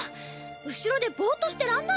⁉後ろでボーッとしてらんないよ！